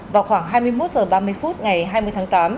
vào khoảng hai mươi một h ba mươi phút ngày hai mươi tháng tám